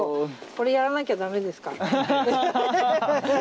これ、やらなきゃだめですかね。